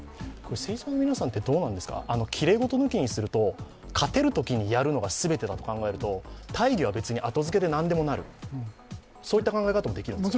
政治家の皆さんってきれい事抜きにすると勝てるときにやるのが全てだと考えると、大義は後付けで何でもなるそういった考え方ができるんですか？